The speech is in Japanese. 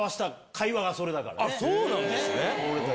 そうなんですね！